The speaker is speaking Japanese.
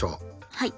はい。